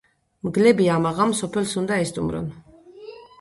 მგლები ამაღამ სოფელს უნდა ესტუმრონ.